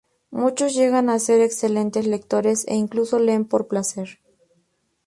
Muchos llegan a ser excelentes lectores e incluso leen por placer.